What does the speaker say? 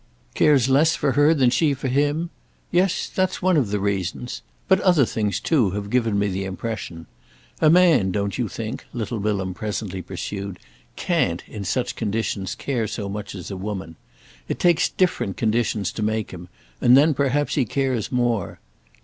"Cares less for her than she for him? Yes, that's one of the reasons. But other things too have given me the impression. A man, don't you think?" little Bilham presently pursued, "Can't, in such conditions, care so much as a woman. It takes different conditions to make him, and then perhaps he cares more.